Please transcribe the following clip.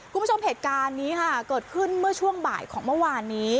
คุณผู้ชมเหตุการณ์นี้ค่ะเกิดขึ้นเมื่อช่วงบ่ายของเมื่อวานนี้